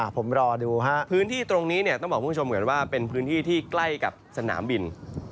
ผมรอดูพื้นที่ตรงนี้ต้องบอกคุณผู้ชมก่อนว่าเป็นพื้นที่ที่ใกล้กับสนามบิน